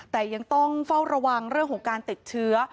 แต่ยังต้องเฝ้าระวังเรื่องของการติดเชื้อ